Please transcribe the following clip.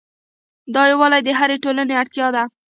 دا یووالی د هرې ټولنې اړتیا ده.